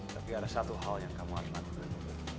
tapi ada satu hal yang kamu harus lakukan